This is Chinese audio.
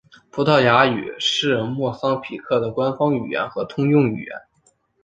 葡萄牙语是莫桑比克的官方语言和通用语言。